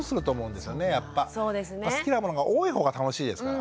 好きなものが多いほうが楽しいですから。